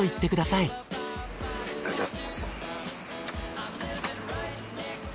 いただきます。